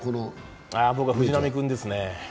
僕は藤浪君ですね。